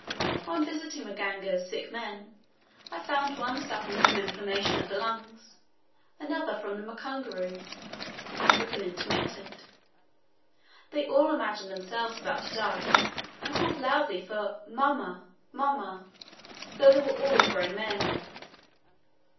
On visiting Maganga's sick men, I found one suffering from inflammation of the lungs, another from the mukunguru (African intermittent). They all imagined themselves about to die, and called loudly for "Mama!" "Mama!" though they were all grown men.